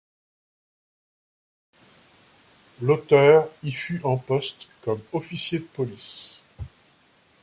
L'auteur y fut en poste comme officier de police.